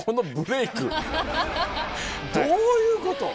どういうこと？